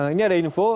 ini ada info